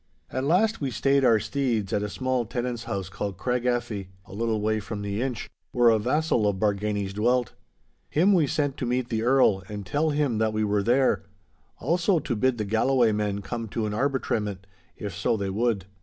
At last we stayed our steeds at a small tenant's house called Craigaffie, a little way from the Inch, where a vassal of Bargany's dwelt. Him we sent to meet the Earl and tell him that we were there—also to bid the Galloway men come to an arbitrament, if so they would.